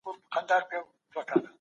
دوی په ورين تندي له نورو سره خبري کولي.